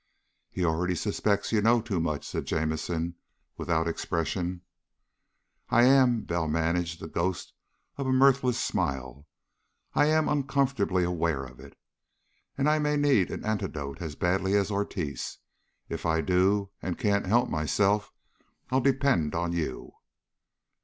"He already suspects you know too much," said Jamison without expression. "I am" Bell managed the ghost of a mirthless smile "I am uncomfortably aware of it. And I may need an antidote as badly as Ortiz. If I do, and can't help myself, I'll depend on you."